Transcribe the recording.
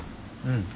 うん。